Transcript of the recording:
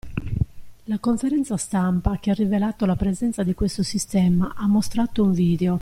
La conferenza stampa, che ha rivelato la presenza di questo sistema, ha mostrato un video.